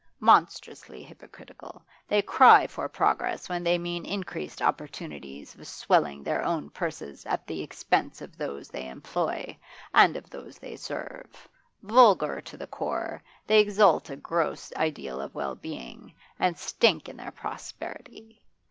Monstrously hypocritical, they cry for progress when they mean increased opportunities of swelling their own purses at the expense of those they employ, and of those they serve; vulgar to the core, they exalt a gross ideal of well being, and stink in their prosperity.